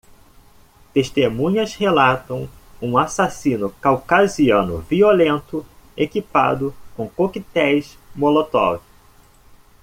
Testemunhas relatam um assassino caucasiano violento equipado com coquetéis Molotov.